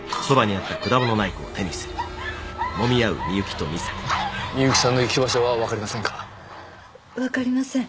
あぁ美雪さんの行き場所は分かりませんか？